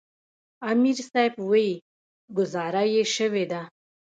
امیر صېب وې " ګذاره ئې شوې ده ـ